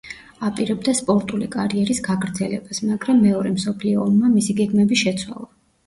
აპირებდა სპორტული კარიერის გაგრძელებას, მაგრამ მეორე მსოფლიო ომმა მისი გეგმები შეცვალა.